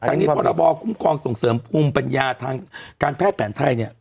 ทางนี้พรบคุ้มครองส่งเสริมภูมิปัญญาทางการแพทย์แผนไทยเนี่ย